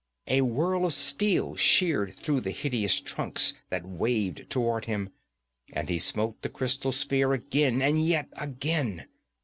A whirl of steel sheared through the hideous trunks that waved toward him, and he smote the crystal sphere again and yet again.